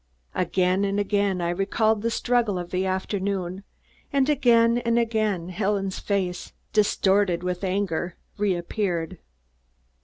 Again and again I recalled the struggle of the afternoon and again and again, Helen's face, distorted with anger, reappeared.